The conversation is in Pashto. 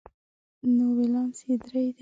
نو ولانس یې درې دی.